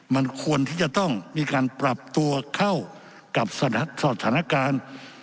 มันควรที่จะต้องมีการปรับตัวเข้ากับสถานการณ์